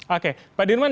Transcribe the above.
oke pak dirman